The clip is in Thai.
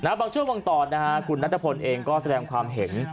บางช่วงบางตอนคุณนัทพลเองก็แสดงความเห็น